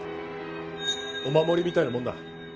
お守りみたいなもんだ。